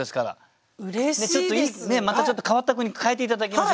またちょっと変わった句に変えて頂きましょう。